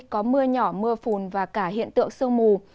có mưa nhỏ mưa phùn và cả hiện tượng sương mù